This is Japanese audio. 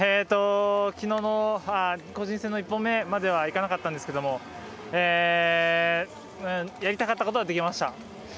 きのうの個人戦の１本目まではいかなかったんですけどやりたかったことはできました。